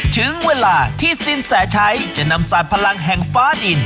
ถึงเวลาที่สินแสชัยจะนำสารพลังแห่งฟ้าดิน